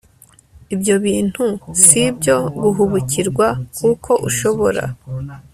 Ibyo bintu si ibyo guhubukirwa kuko ushobora